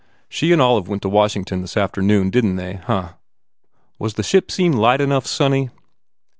She and Olive went to Washington s afternoon, didn t they, huh? Was the ship scene light enough, sonny